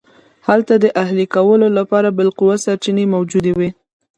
هلته د اهلي کولو لپاره بالقوه سرچینې موجودې وې